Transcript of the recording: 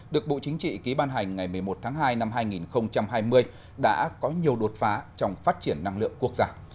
được bộ chính trị ký ban hành ngày một mươi một tháng hai năm hai nghìn hai mươi đã có nhiều đột phá trong phát triển năng lượng quốc gia